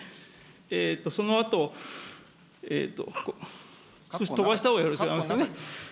そのあと、飛ばしたほうがよろしいですかね。